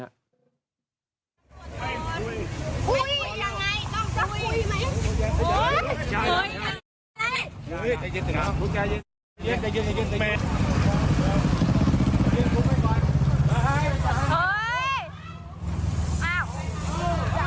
เฮ้ยเอ้าอย่าอย่าอย่าอย่า